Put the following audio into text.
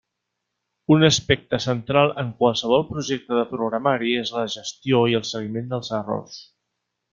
Un aspecte central en qualsevol projecte de programari és la gestió i el seguiment dels errors.